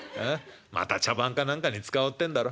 また茶番か何かに使おうってんだろ。